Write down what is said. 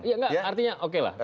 iya enggak artinya oke lah